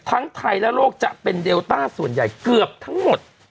ทั้งไทยและโลกจะเป็นเดลต้าส่วนใหญ่เกือบทั้งหมด